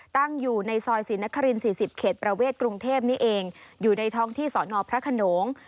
ตั้งอยู่ในซอยศรีนคริน๔๐เขตประเวทกรุงเทพนี่เองอยู่ในท้องที่สอนอพระขนง